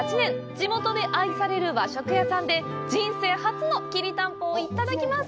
地元で愛される和食屋さんで人生初のきりたんぽをいただきます！